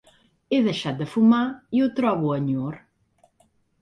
He deixat de fumar i ho trobo a enyor.